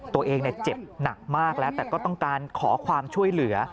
ตัวเองเจ็บหนักมากแล้วแต่ก็ต้องการขอความช่วยเหลือ